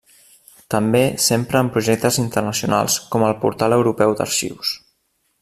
També s'empra en projectes internacionals com el Portal europeu d'arxius.